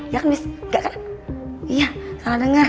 ya kan miss iya salah denger nih